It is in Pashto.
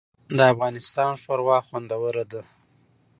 د افغانستان شوروا خوندوره ده